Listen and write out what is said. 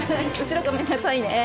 後ろごめんなさいね。